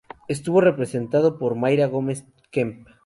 Estuvo presentado por Mayra Gómez Kemp.